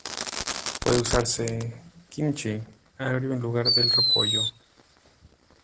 Puede usarse "kimchi" agrio en lugar del repollo.